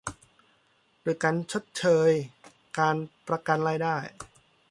ด้วยการชดเชย การประกันรายได้